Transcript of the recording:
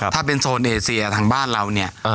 ถ้าเป็นโซนเอเซียทางบ้านเราเนี่ย